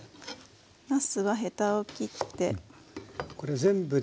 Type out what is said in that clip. なすはヘタを切って。